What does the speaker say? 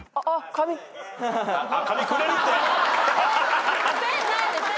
紙くれるって。